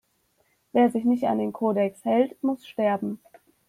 Wer sich nicht an den Kodex hält, muss sterben